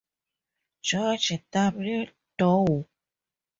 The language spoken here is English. George W. Dow.